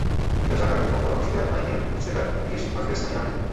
বিকেল চারটার দিকে প্রক্টর আশুলিয়া থানায় গিয়ে মুচলেকা দিয়ে শিক্ষার্থীদের ছাড়িয়ে আনেন।